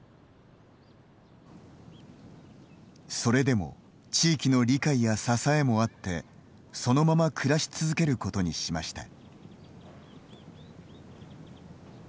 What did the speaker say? それでも地域の理解や支えもあってそのまま暮らし続けることにしました。